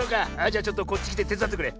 じゃちょっとこっちきててつだってくれ。